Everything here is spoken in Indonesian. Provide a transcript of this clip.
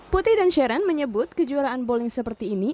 putih dan sharon menyebut kejuaraan bowling seperti ini